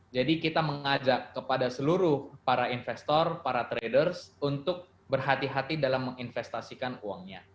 jadi kita mengajak kepada seluruh para investor para traders untuk berhati hati dalam menginvestasikan uangnya